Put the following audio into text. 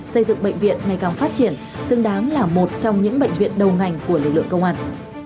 xây dựng bệnh viện ngày càng phát triển xứng đáng là một trong những bệnh viện đầu ngành của lực lượng công an